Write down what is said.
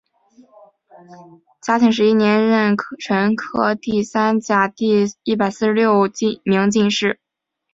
嘉靖十一年壬辰科第三甲第一百四十六名进士。